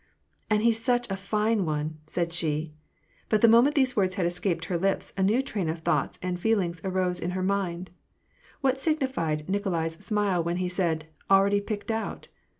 " And he's such a fine one !" said she. But the moment these words had escaped her lips, a new train of thoughts and feeling arose in her mind: what signified Nikolai's smile when he said, " Already picked out